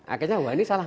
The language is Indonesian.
akhirnya wah ini salah